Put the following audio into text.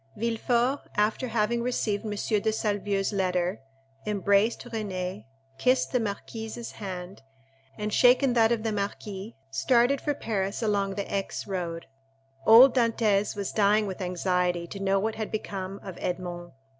Villefort, after having received M. de Salvieux's letter, embraced Renée, kissed the marquise's hand, and shaken that of the marquis, started for Paris along the Aix road. Old Dantès was dying with anxiety to know what had become of Edmond.